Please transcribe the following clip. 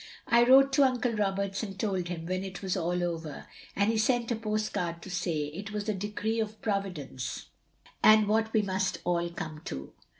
I wrote to Uncle Roberts and told him, when it was all over, and he sent a post card to say it was the decree of Providence and what we must all come to.